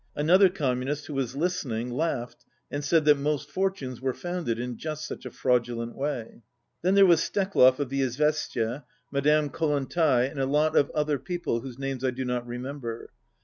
Another Communist, who was listening, laughed, and said that most fortunes were founded in just such a fraudulent way. Then there was Steklov of the Izvestia, Ma 53 dame Kollontai, and a lot of other people whose names I do not remember.